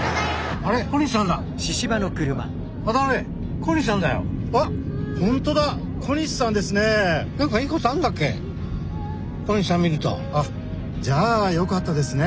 あっじゃあよかったですね。